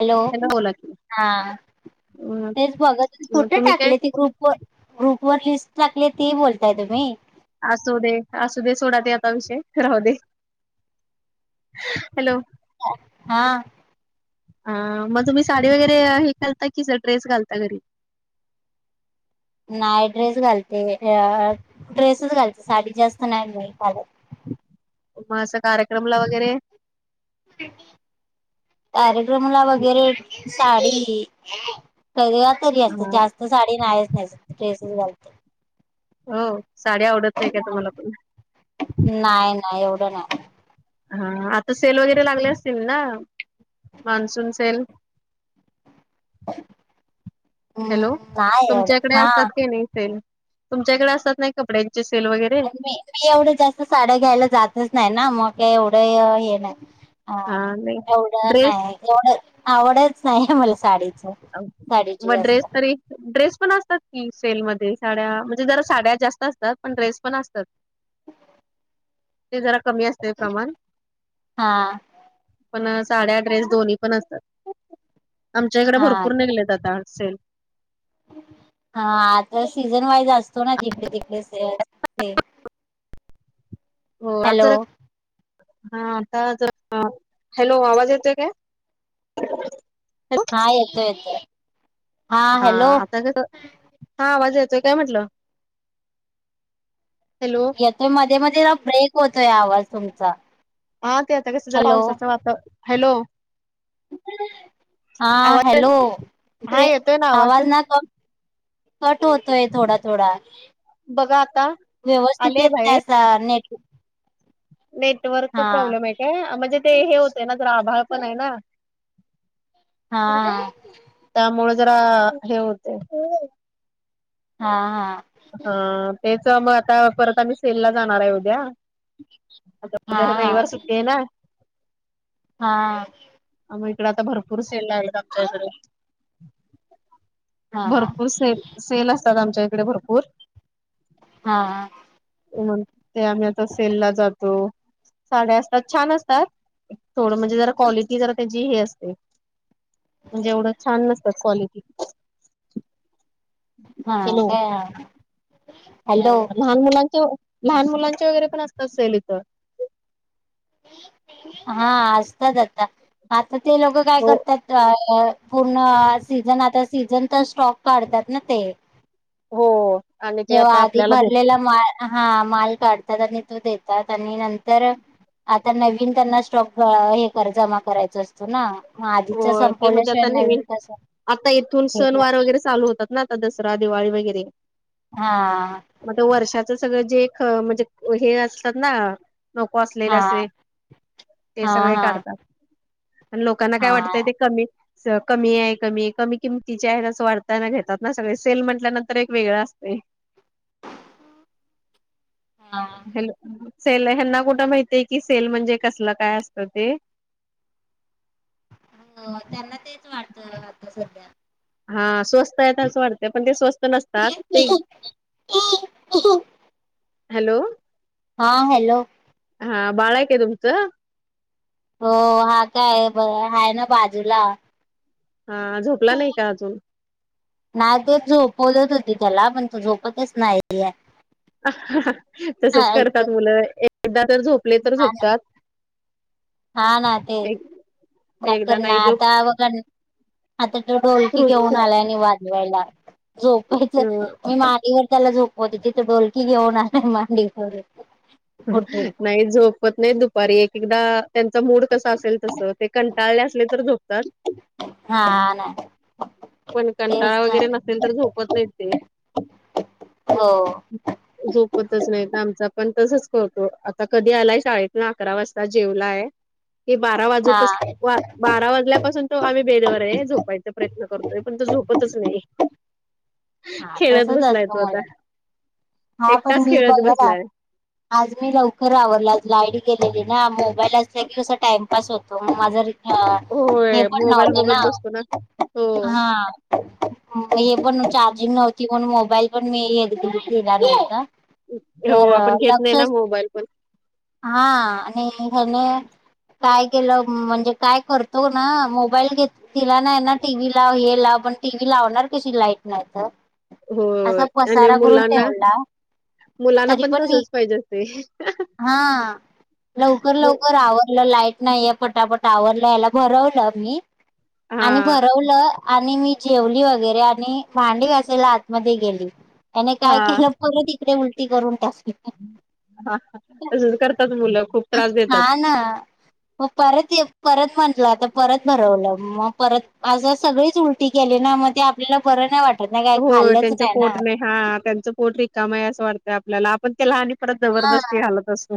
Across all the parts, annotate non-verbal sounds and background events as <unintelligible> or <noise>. Hello ह्याला बोला की हा अ हेच बघा होते मग फोटो तुम्ही काय टाकले ते ग्रुप होय ग्रुप वर लिस्ट टाकलिय ती बोलताय तुम्ही? असू दे असू दे सोडा ते आता विषय राहू दे. हॅलो. हा. अह मग तुम्ही साडी वगैरे हे घालता कि ड्रेस घालता घरी? नाही ड्रेस घालते अ ड्रेसच घालते साडी जास्त नाही घालत. मग असं कार्यक्रमला वगैरे? कार्यक्रमला वगैरे साडी <unintelligible> असत हा जास्त साडी नाहीच नेसत ड्रेसच घालते. हो साड्या आवडत नाही का तुम्हाला पण नाही नाही एवढं नाही. हा आता सेल वगैरे लागले असतील ना मान्सून सेल हम्म हॅलो नाही एवढं तुमच्याकडे हा असतात का नाही सेल? तुमच्या इकडे असतात नाही कपड्यांची सेल वगैरे? आणि मी मी एवढं जास्त साड्या घ्यायला जातच नाही ना मग काय एवढं हे नाही हा एवढं ड्रेस नाही एवढं, आवडच नाहीये मला साडीचं म ड्रेस तरी ड्रेस पण असतात कि सेलमध्ये, साड्या म्हणजे जरा साड्या जास्त असतात पण ड्रेस पण असतात ते जरा कमी असते प्रमाण हा पण साड्या ड्रेस दोन्ही पण असतात. आमच्या इकडे हा भरपू <unintelligible> सेल हा आता सीझन वाईज असतो ना तिकडे तिकडे सेल हो आता हॅलो जरा हा आता जरा, हॅलो आवाज येतोय काय? हॅलो हा येतोय येतोय हा आता <unintelligible> हा आवाज येतोय काय म्हंटलं? येतोय मध्ये मध्ये ना ब्रेक होतोय आवाज तुमचा. हा ते आता कसं जरा हॅलो पावसाचं वाता हॅलो. हा. आवाज हा हॅलोे. येतोय ना आवाज ना क- कट होतोय थोडा थोडा. बघा आता व्यवस्थित आलेय येत बाहेर तनाही - ह. नेट- नेटवर्क हा प्रॉब्लेम आहे काय? म्हणजे- ते हे होते ना. जरा आभळ पण आहे ना? हा त्यामुळे जरा हे होतय. हा हा. हा. तेच मग आता परत आम्ही सेलला जाणार आहे उद्या. हा आता हा रविवार सु्टी आहे ना? हा. मग इकडे आता भरपूर सेल लागलेत आमच्या इकड. हा हा भरपूर सेल. सेल असतात आमच्या इकडे भरपूर. हा. म्हणून. ते आम्ही आता सेलला जातो. साड्या असतात छान असतात. थोडं म्हणजे जरा क्वालिटी जरा त्याची हे असते. म्हणजे एवढं छान नसतात क्वालिटी. हा का? ह. लहान मुलांचे-लहान मुलांचे वगैरे पण असतात सेल इथ. हा. असतात आता. आता ते लोक काय हो करतात? पूर्ण सीझन. आता सीझनचा स्टॉक काढतात ना ते? हो. आणि ते जेव्हा आता आधी आपल्याला घेत भरलेला माल, हा. माल काढतात आणि तो देतात. आणि नंतर- आता नवीन त्यांना स्टॉक हे कर जमा करायच असतो. ना? म - हो. ते म्हणजे आता नवीन. आता इथून घेणार. सणवार वगैरे चालू होतात ना? दसरा दिवाळी वगैरे. हा. मग वर्षाचे सगळे. जे ख म्हणजे हे असतात ना? नको असलेले हा असे. ते हा सगळे हा काढतात. आणि लोकांना- काय हा वाटतंय ते कमी- कमी आहे कमी आहे. कमी किमतीचे आहे असं वाटताना घेतात ना सगळे. सेल म्हटल्यानंतर एक वेगळं असतंय. हा. हॅलो. सेल ह्यांना कुठं माहितीय की सेल म्हणजे कसलं काय असतं ते. त्यांना तेच वाटतं आता सध्या. हा. स्वस्त आहे असं वाटत. पण ते स्वस्त नसतात. ते- हॅलो. हा. हॅलो. हा. बाळ आहेय का तुमचं? हो. हा काय हा, हाय ना बाजूला. हा. झोपला नाही का अजून? नाही ते झोपवतच होती त्याला. पण तो झोपतच नाहीेये. तसच करतात मुलं. एकदा तर झोपले तर झोपतात- हा ना तेच. एक एकदा नाही जो <unintelligible> आता तो ढोलकी घेऊन खूप आला आणि वाजवायला. झोप. अ मी मांडीवर त्याला झोपवत होती तर डोलकी घेऊन आला मांडीवर. उठून नाही झोपत नाही दुपारी. एक एकदा- त्यांचा मूड कसा असेल तसं. ते कंटाळले असले तर झोपतात- हा ना पण तेच कंटाळा ना वगैरे नसेल तर झोपत नाहीत ते. हो. झोपतच नाही. आमचा पण तसच- हो हो आता कधी आलाय शाेत ना अकरा वाजता जेवलाय ते बारा हा वाजूपास वा बारा वाजल्यापासून तो आम्ही बेडवर आहे झोपायचा प्रयत्न करतोय पण तो झोपतच नाही हा खेळत तसच बसला येतो असतं आता मला हा पण एकटाच भीर खेळत बघैर बसलाय आज मी लवकर आवरला आयडी गेलेली ना मोबाईल अस की अस टाइमपास होतो मग माझा हा हे होय पण मोबाईल नव्हतं बघत बसतो हो ना हा हे पण चार्जिंग नव्हती म्ह मोबाईल पण मी येणार होता तर लक्षच हो बिलकुल हा आणि हने काय केलं म्हणजे काय करतो ना मोबाईल घेत तिला नाही ना टीव्ही लाव हे लाव पण टी व्ही लावणार कशी लाईट नाही तर होय असा आणि पसारा करून मुलांना ठेवडला तरी पण मी पाहिज अस हा लवकर लवकर आवडलं लाईट नाहीय पटापट आवरला याला भरवलं मी हा आणि भरवलं आणि मी जेवली वगैरे आणि भांडी वाचायला आतमध्ये गेली त्याने हा काय केलं सगं तिककडे उलटी करून टाासली हा तसच करतात मुलं खूप त्रास हा देतात ना हो परत परत म्हटलं आता परत भरवलं मग परत असं सगळीच उल ी केली ना मग ते आपल्याला बरं नाही वाटत नाही काही हो खाल्लंच त्यांच नाही ना पोट हा त्यांचं पोट रिकाम आहे असं वाटतंय आपल्याला आपण ते लहान परत हा. जबरदस्ती हालत असतो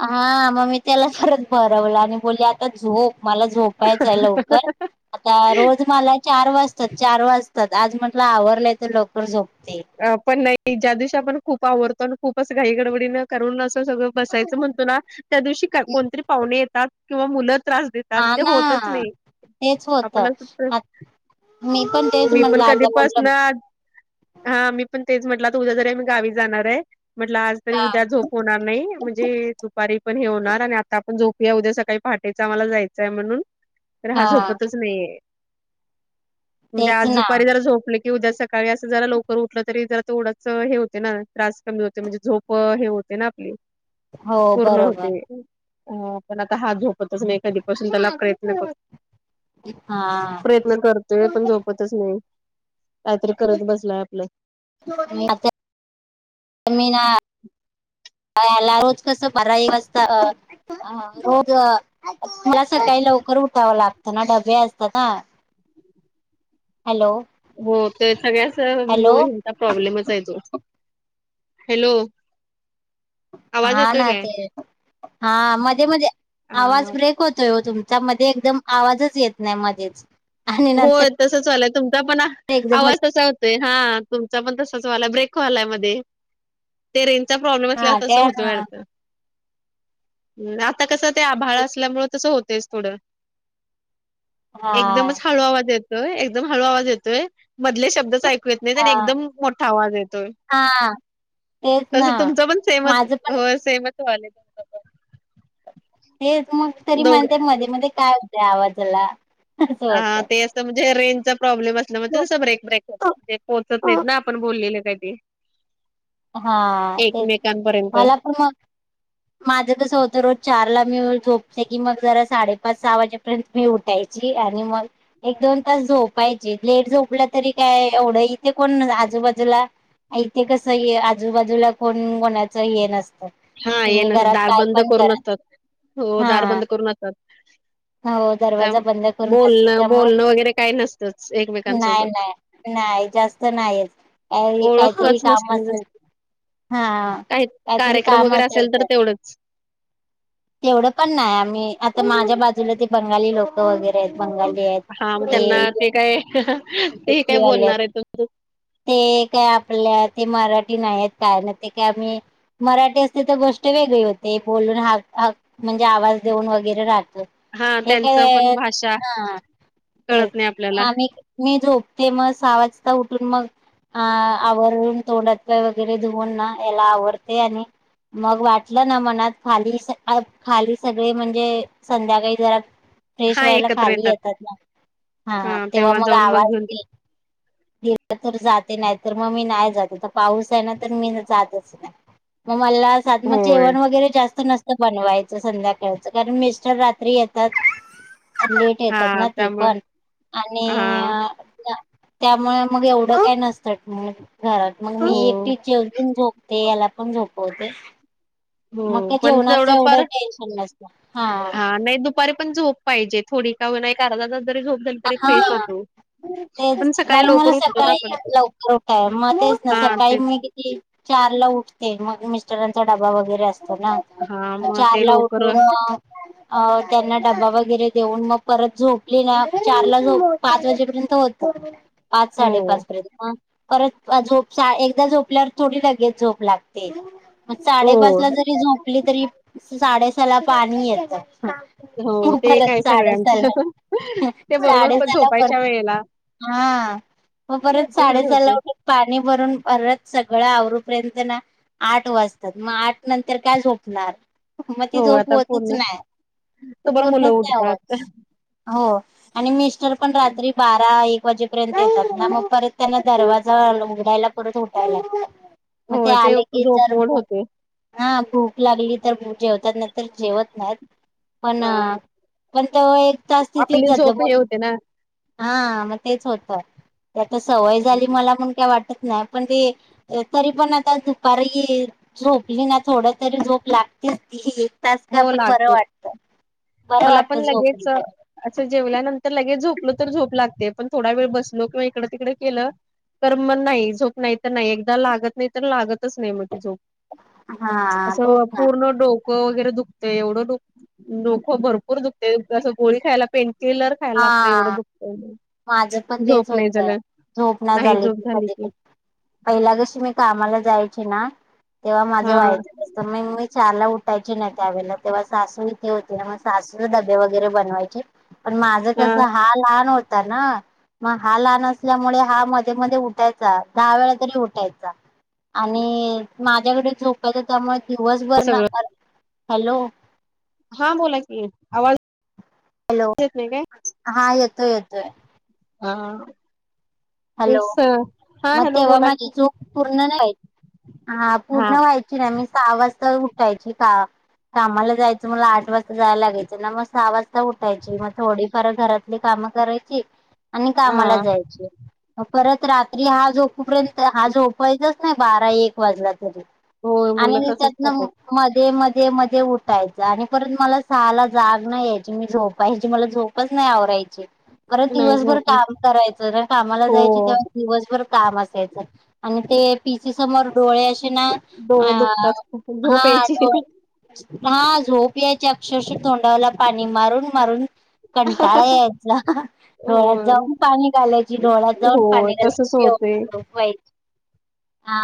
हा मग मी त्याला परत भरवलं आणि बोलली आता झोप मला झोप यच आहे लवकर आता रोज मला चार वाजतात चार वाजतात आज म्हटलं आवरलंय तर लवकर झोपते अ पण नाही ज्या दिवशी आपण खूप आवडतो आणि खूपच घाई गडबडीनं ून अस सगळं बसायचं म्हणतो ना त्या दिवशी कोणतरी पाहुणे येतात किंवा मु त्रास देत त्यात हा ते होतच ना नाही तेच होत आपण सु आ मी पण तेच मी पण म्हटलं कधी आता पसन म्हटलं हा मी पण तेच म्हटलं त उद्या जरी मी गावी जाणार आहे म्हटलं आज तरी हा उद्या झोप होणार नाही म्हणजे दुपारी पण हे होणार आणि आता आपण झोपया उद्या सकाळी पहाटेचं आम्हाला जायचंय म्हणून तर हा झोपतच नाहीे म्हणजे तेच आज ना दुपारी जरा झोपले क उद्या सकाळी असं जरा लोक उठलं तरी जरा तो उडाच हे होते ना त्रास कमी होते म्हणजे झोप हे होते ना हो पूर्ण बरोबर होते पण आता हा झोप एखादीपसून त्याला प्रयत्न कर हा प्रयत्न करतोय पणो नाही काहीतरी करत बसलाय आपलं. मीना याला रोज कसं बारा एक वाजता ह रोज खला सकाळी लवकर उठावं लागतं ना डबे असतात ना हॅलो हो ते सगळ्याच हॅलो हि प्रॉब्लेमच आहे दो हॅलो आवाज हा येतोय ना काय? ते हा मध्ये मध्ये अ आवाज ब्रेक होतोय तुमचा मध्ये एकदम आवाजच येत नाही मध्येच आणि हो नंतर तसच वालाय तुमचा पण एकदम आवाज तसा ते हा तुमचा पण तसाच वाला ब्रेक वलाय मध्ये ते रेनचा प्रॉब्लेम हा असल्यावर तसं काय होतोय हा अर्थ ह आता कसं ते आभाळ तेच असल्यामुळे तसं होतच थोडं एकदमच हा हळू आवाज येतोय एकदम हळू आवाज येतोय मधले शब्द ऐकू येत नाही आणि हा एकदम मोठा आवाज येतोय? हा तेच तस ना तुमच पण माझं सेमचं पण होय सेमच व्हायलाय? हे मग तरी पण दोघ म्हणते मध्ये मध्ये काय होतंय आवाजाला? असं हा होतंय. ते असं म्हणजे रेनचा प्रॉब्लेम असला म्हणजे तसं ब्रेक ब्रेकत ते पोहोचत नाहीत ना आपण बोललेले कधी हा तेच एकमेकांपर्यंत. मला पण मग माझं कसं होतं रोज चारला मी झोपते की मग जरा साडेपाच सहा वाजेपर्यंत मी उठायची आणि मग एक दोन तास झोपायचे लेट झोपलं तरी काय एवढं इथे कोण आजूबाजूला? इथे कस ये आजूबाजूला कोण कोणाचं हे नसतं हा ये तुम्ही नस घरात काय दारबंद पण करून करा असतात हो हा दारबंद करून असातात. हो तर दरवाजा बंद करून असतं बोलणं त्यामुळे बोलणं वगैरे काही नसतंच नाही एकमेकांसोबत नाही नाही जास्त नाहीच काहीतरी ओळखच नसते कामा म्हणजे हा काही काहीतरी कार्यक्रम काम वगैरे असेल तर असतात? तेवढंच. तेवढं पण नाही आम्ही आता माझ्या बाजूला ते बंगाली लोक वगैरे आहेत बंगाली हा आहेत मग त्यांना काय ते ते काय कीवाले आहेत? बोलणार आहे तुम्ही. ते काय आपल्या ते मराठी नाही आहेत काय ना ते काय आम्ही मराठी असते तर गोष्ट वेगळी होते बोलून हाक हाक म्हणजे आवाज देऊन वगैरे राहतो. हा एक त्यांचं पण वेळेत भाषा हा तेच कळत नाही आपल्याला आम्ही मी झोपते मग साह वाजता उठून मग आ आवरून तोंड हात पाय वगैरे धुऊन ना याला आवरते आणि मग वाटलं ना मनात खाली स अ खाली सगळे म्हणजे संध्याकाळी जरा फ्रेश हा व्हायला एकत्र खाली येतात ना हा तेव्हा मग आवाज दे. देते तर जाते नाही तर मग मी नाही जात. पाऊस आहे ना तर मी जातच नाही मग मला साथ मग होय जेवण वगैरे जास्त नसत. बनवायच संध्याकाळच कारण मिस्टर रात्री येतात हा येतात ना ते त्यामुळं पण हा आणि त्यामुळे मग एवढं काय नसतं ह्म्म घरात मग मी हो एकटी जेवून झोपते याला पण झोपवते हो पण जवढंक पुढं टेन्शन नसत हा. नाही दुपारी पण झोप पाहिजे थोडी का होईना अर्धा तास जरी झोप झाली तरी फ्रेश हा होतो. तेच पण सकाळी कारण मला लवकर उठतो ना सकाळी आपण लवकर उठाय मग तेच ना हा सकाळी तेच मी किती चार ला उठते मग मिस्टरांचा डबा वगैरे असतो ना हा मग चार ते ला लवकर उठून म अ त्यांना डबा वगैरे देऊन मग परत झोपली ना चार ला झोप पाच वाजेपर्यंत होत पाच हो साडे पाच पर्यंत मग परत झोप एकदा झोपल्यावर थोडी लगेच झोप लागते मग हो साडेपाच ला जरी झोपली तरी साडेसहा ला पाणी येतं हो ते काय सगळ्यांचं. ते बरोबर साडे पण सहाला पर झोपायच्या वेळेला हा मग परत साडे तसच सहाला होते उठून पाणी भरून परत सगळं आवरुपर्यंत ना आठ वाजतात मग आठ नंतर काय झोपणार मग ती हो झोप आता होतच पूर्ण नाही तोवर मुलं पूर्णच नाही उठतात होत हो आणि मिस्टर पण रात्री बारा एक वाजेपर्यंत येतात ना मग परत त्यांना दरवाजा उघडायला. परत उठाय लागत म हो ते आले की झोप जर मोड होते. हा भूक लागली तर भूक जेवतात नाहीतर जेवत नाहीत पण अ पण त एक तास तिथेच आपली जात झोप ब हे होते ना हा मग तेच होत त्याता सवय झाली मला पण काय वाटत नाही पण ते तरी पण आता दुपार झोपली ना थोड तरी झोप लागतेच ती तास का हो आपण बरं लागते. वाटत बरं वाटत झोप अच्छ जेवल्यानंतर लगेच झोपल तर झोप लागते पण थोडा वेळ बसलो किंवा इकडं तिकडे केलं तर मग नाही झोप नाही तर नाही एकदा लागत नाही तर लागतच नाही मग ती झोप हा तेच असं ना पूर्ण डोक वगैरे दुखते एवढंडोकं भरपूर दुखते असं गोळी खायला पेंन किलर खायला लागतं एवढं हा दुख माझं पण तेच होत झोप ना झाली की कधी कधी पहिला कशी मी कामाला जायची ना तेव्हा माझं हा व्हाचं असतं मग मी चार ला उठायची ना त्यावेळेला तेव्हा सासू इथे होते ना मग सासू ड वगैरे बनवायचे पण माझं कस हा लहान होता ना मग हा लहान असल्यामुळे हा मध्ये मध्ये उठायचा दहा वेळा तरी उठायचा आणि माझ्याकडे झोपयचं त्यामुळे दिवसभर ना सगळं हॅलो हा बोला की आवाज हॅलो येत नाही काय हा येतोय येतोय हा हॅलो तेच हा मग हॅलो तेव्हा बोला की माझी चूक पूर्ण नाही हा पूर्ण व्हायची रा म सहा वाजता उठायची का कामाला जायचं मला आठ वाजता जायला लागायचं ना मग सहा वाजता उठायची मग थोडीफार घरातली काम करायची आणि हा कामाला जायची परत रात्री हा झोपपर्यंत हा झोपायचाच नाही बारा एक वाजला तरी होय आणि मुलं मी तसच त्यातन करतात मध्ये मध्ये मध्ये उठायच आणि परत मला सहाला जाग नाही यायची मी झोपायची मला झो च नाही आवरायचे पररं नाही दिवसभर झोप काम करायचं जर कामाला हो जायची तेव्हा दिवसभर काम असायचं आणि ते पिचीसमोर डोळे असे ना अ डोळे दुखतात झोप हा यायची टोल हा झोप यायची अक्षरश तोंडाला पाणी मारून मारून कंटाळा यायचा डोळ्यात हो जाऊन पाणी घालायचं डोळत जाऊन हो पाणीाला तसच होते शवई हा